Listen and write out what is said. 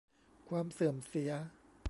ความเสื่อมเสีย